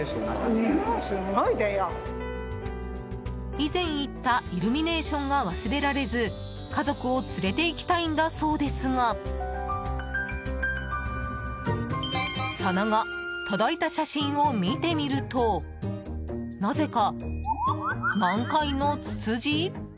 以前行ったイルミネーションが忘れられず家族を連れて行きたいんだそうですがその後、届いた写真を見てみるとなぜか満開のツツジ？